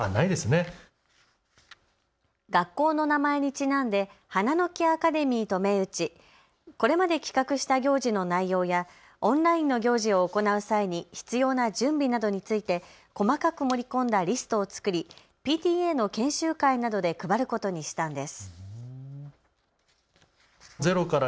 学校の名前にちなんで花の木アカデミーと銘打ちこれまで企画した行事の内容やオンラインの行事を行う際に必要な準備などについて細かく盛り込んだリストを作りＰＴＡの研修会などで配ることにしたんです。